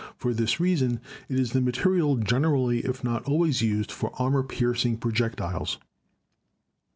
For this reason it is the material generally if not always used for armor piercing projectiles.